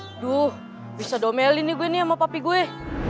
iduh bisa posisi ini dengan papi gue